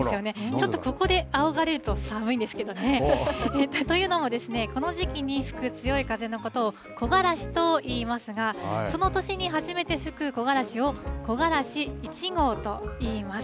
ちょっとここであおがれると、寒いんですけどね。というのもこの時期に吹く強い風のことを木枯らしといいますが、その年に初めて吹く木枯らしを、木枯らし１号と言います。